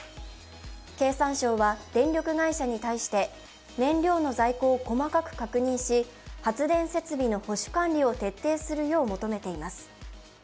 経産省は電力会社に対して燃料の在庫を細かく確認し、発電設備の保守管理を徹底するよう求めています。